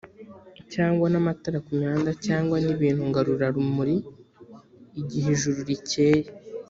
cyangwa n amatara ku mihanda cyangwa n ibintu ngarurarumuri igihe ijuru rikeye